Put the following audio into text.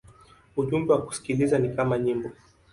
Ujumbe wa kusikiliza ni kama nyimbo.